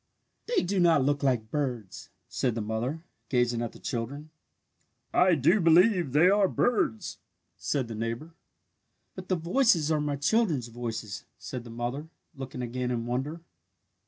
"They do look like birds!" said the mother, gazing at the children. "I do believe they are birds," said the neighbour. "But the voices are my children's voices," said the mother, looking again in wonder.